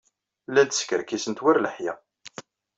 Llant skerkisent war leḥya.